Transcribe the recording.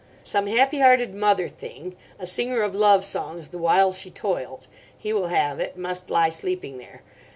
'Some happy hearted Mother Thing—a singer of love songs the while she toiled,' he will have it, must lie sleeping there.